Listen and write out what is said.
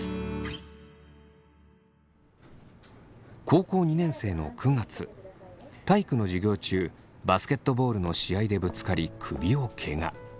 高校２年生の９月体育の授業中バスケットボールの試合でぶつかり首をけが。